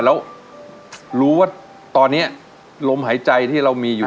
แล้วรู้ว่าตอนนี้ลมหายใจที่เรามีอยู่